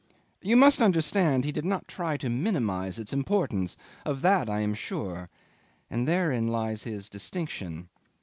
You must understand he did not try to minimise its importance. Of that I am sure; and therein lies his distinction.